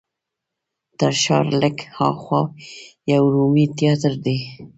تر ښار لږ هاخوا یو رومي تیاتر دی.